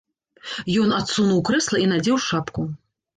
Ён адсунуў крэсла і надзеў шапку.